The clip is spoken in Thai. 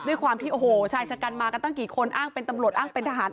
ด้วยความที่โอ้โหชายชะกันมากันตั้งกี่คนอ้างเป็นตำรวจอ้างเป็นทหาร